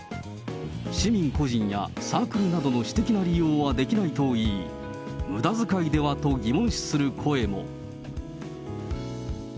市民個人やサークルなどの私的な利用はできないといい、むだ遣いではと疑問視する声も。